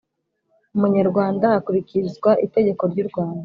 Munyarwanda hakurikizwa itegeko ry urwanda